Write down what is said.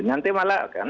nanti malah kan